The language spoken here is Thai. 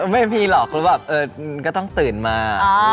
ไม่มีหรอกก็ต้องตื่นมา